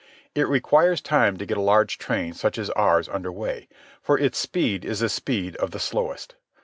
It requires time to get a large train such as ours under way, for its speed is the speed of the slowest.